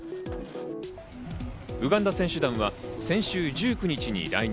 ウガンダ選手団は先週１９日に来日。